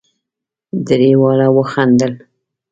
درې واړو وخندل.